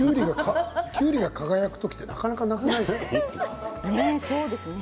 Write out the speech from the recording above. きゅうりが輝くときってなかなかないですよね。